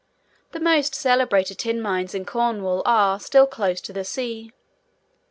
The most celebrated tin mines in Cornwall are, still, close to the sea.